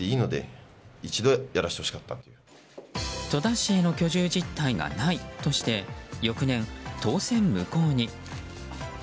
戸田市への居住実態がないとして翌年、当選無効に。